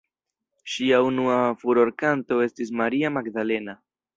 Ŝia unua furorkanto estis "Maria Magdalena".